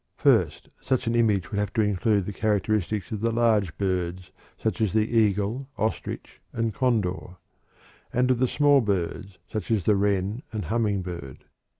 First, such an image would have to include the characteristics of the large birds, such as the eagle, ostrich, and condor; and of the small birds, such as the wren and humming bird.